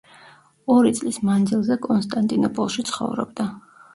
ორი წლის მანძილზე კონსტანტინოპოლში ცხოვრობდა.